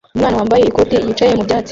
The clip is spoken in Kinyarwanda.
Umwana wambaye ikoti yicaye mu byatsi